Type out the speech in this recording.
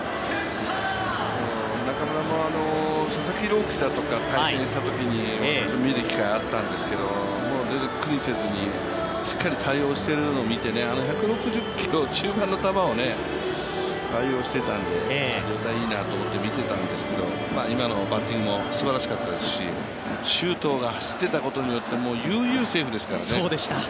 中村も佐々木朗希とかと対戦したときに私も見る機会があったんですけど全然苦にせずに、しっかり対応しているのを見て１６０キロ中盤の球を対応していたので、状態いいなと思って見てたんですけど、今のバッティングもすばらしかったですし周東が走っていたことによって悠々セーフですからね。